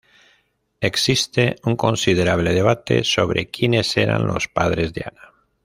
Existe un considerable debate sobre quienes eran los padres de Ana.